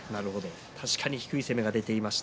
確かに低い攻めが出ていました。